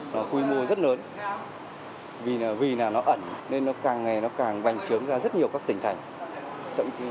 nó quy mô rất lớn vì nó ẩn nên nó càng ngày càng bành trướng ra rất nhiều các tỉnh thành